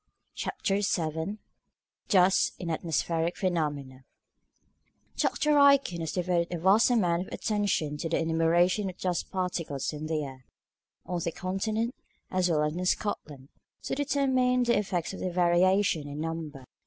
CHAPTER VII DUST AND ATMOSPHERIC PHENOMENA Dr. Aitken has devoted a vast amount of attention to the enumeration of dust particles in the air, on the Continent as well as in Scotland, to determine the effects of their variation in number.